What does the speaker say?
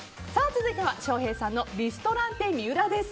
続いては翔平さんのリストランテＭＩＵＲＡです。